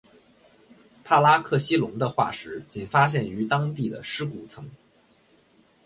帕拉克西龙的化石仅发现于当地的尸骨层。